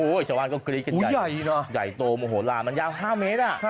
โอ้โฮชาวบ้านก็กี๊ดได้ใหญ่นะอย่างเดรมหลายมันยาว๕เมตรน่ะ